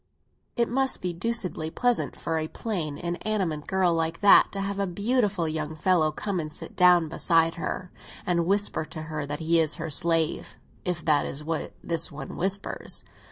"It must be deucedly pleasant for a plain inanimate girl like that to have a beautiful young fellow come and sit down beside her and whisper to her that he is her slave—if that is what this one whispers.